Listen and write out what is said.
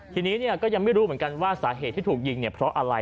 ทีนี้ก็ยังไม่รู้เหมือนกันว่าสาเหตุที่ถูกยิงเนี่ยเพราะอะไร